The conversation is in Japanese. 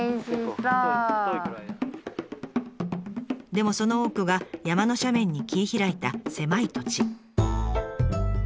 でもその多くが山の斜面に切り開いた狭い土地。